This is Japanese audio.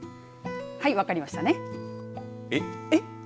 はい、分かりましたね。